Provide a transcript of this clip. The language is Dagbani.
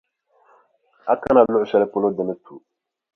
A kana luɣʼ shɛli polo di ni tu.